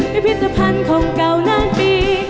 พิพิธภัณฑ์ของเก่านานปี